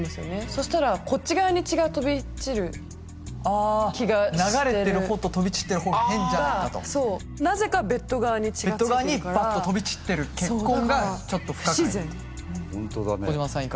そしたらこっち側に血が飛び散るああ流れてる方と飛び散ってる方が変じゃないかとそうベッド側にバッと飛び散ってる血痕がちょっと不可解児嶋さん